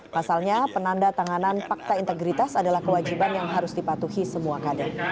pasalnya penanda tanganan pakta integritas adalah kewajiban yang harus dipatuhi semua kader